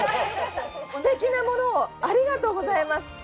ステキなものをありがとうございます。